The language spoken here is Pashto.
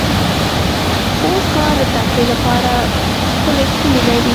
خوست ښار د تفریح لپاره ښکلې سېمې لرې